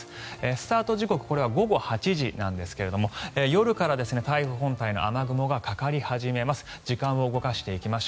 スタート時刻これは午後８時なんですが夜から台風本体の雨雲がかかり始めます。